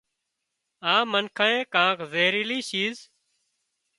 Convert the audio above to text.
آ منکانئي ڪانڪ زهيريلي شيز